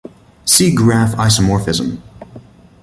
See graph isomorphism.